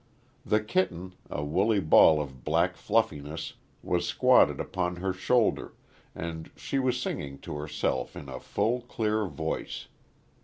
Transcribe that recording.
The kitten, a woolly ball of black fluffiness, was squatted upon her shoulder, and she was singing to herself in a full, clear voice.